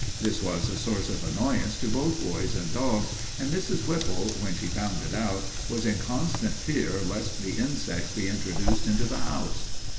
This was a source of annoyance to both boys and dogs, and Mrs. Whipple, when she found it out, was in constant fear lest the insects be introduced into the house.